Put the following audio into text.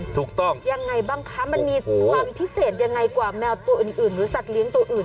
ถูกต้องยังไงบ้างคะมันมีความพิเศษยังไงกว่าแมวตัวอื่นหรือสัตว์เลี้ยงตัวอื่น